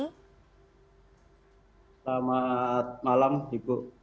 selamat malam ibu